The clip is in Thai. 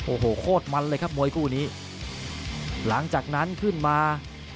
โอ้โหโคตรมันเลยครับมวยคู่นี้หลังจากนั้นขึ้นมา